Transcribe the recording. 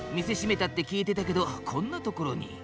店閉めたって聞いてたけどこんなところに。